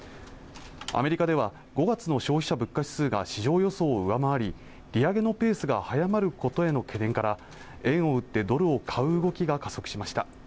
アメリカでは５月の消費者物価指数が市場予想を上回り利上げのペースが速まることへの懸念から円を売ってドルを買う動きが加速しました